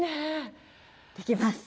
できます。